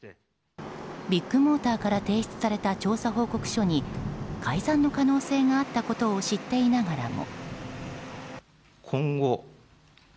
ビッグモーターから提出された調査報告書に改ざんの可能性があったことを知っていながらも。